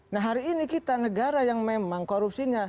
nah hari ini kita negara yang memang korupsinya